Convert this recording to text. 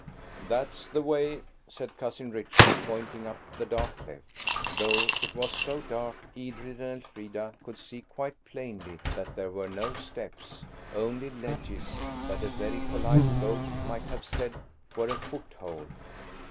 "That's the way," said Cousin Richard, pointing up the dark cleft. Though it was so dark Edred and Elfrida could see quite plainly that there were no steps–only ledges that a very polite goat might have said were a foothold.